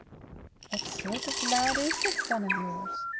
"What sort of lad is this son of yours?